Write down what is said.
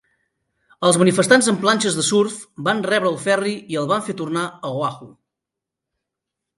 Els manifestants amb planxes de surf van rebre el ferri i el van fer tornar a Oahu.